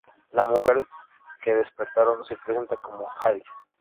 La mujer que despertaron se presenta como Jadis.